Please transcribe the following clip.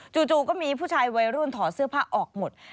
จู่ก็มีผู้ชายวัยรุ่นถอดเสื้อผ้าออกหมด